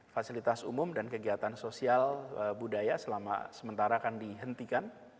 fasilitas umum dan kegiatan sosial budaya selama sementara akan dihentikan